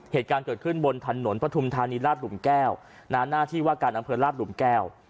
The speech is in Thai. เหตุการณ์เกิดขึ้นบนถนนปฐุมธานีราชหลุมแก้วหน้าที่ว่าการอำเภอราชหลุมแก้ว